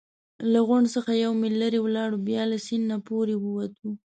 له غونډ څخه یو میل لرې ولاړو، بیا له سیند نه پورې ووتو.